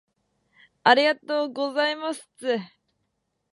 ありがとうございますつ